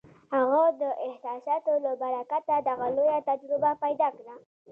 هغه د احساساتو له برکته دغه لویه تجربه پیدا کړه